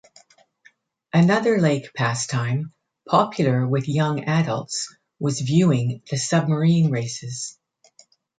Another Lake pastime popular with young adults was viewing The Submarine Races.